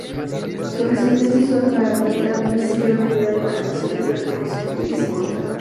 Su resistencia y su fiabilidad lo hicieron ideal para misiones de reconocimiento y escolta.